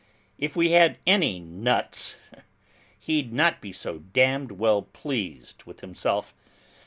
If we had any nuts, he'd not be so damned well pleased with himself!